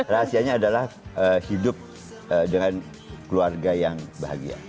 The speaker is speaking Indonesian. rahasianya adalah hidup dengan keluarga yang bahagia